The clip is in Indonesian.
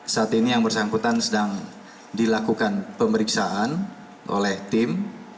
saat ini yang bersangkutan sedang dilakukan pemeriksaan oleh tim